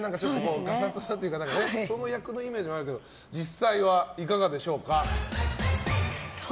ガサツというか役のイメージもあるけど実際はいかがでしょうか？